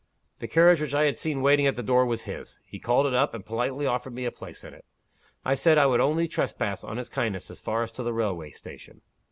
The carriage which I had seen waiting at the door was his. He called it up, and politely offered me a place in it. I said I would only trespass on his kindness as far as to the railway station.